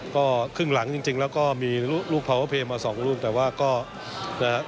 ก็ครึ่งหลังจริงจริงแล้วก็มีลูกลูกมาสองรูปแต่ว่าก็นะฮะ